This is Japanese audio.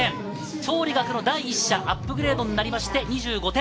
チョウ・リガクの第１射、アップグレードになりまして、２５点。